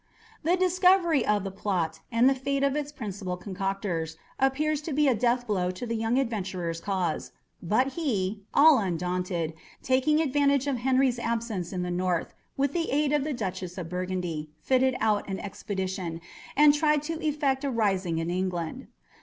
The discovery of the plot, and the fate of its principal concocters, appeared to be a death blow to the young adventurer's cause; but he, all undaunted, taking advantage of Henry's absence in the north, with the aid of the Duchess of Burgundy fitted out an expedition, and tried to effect a rising in England.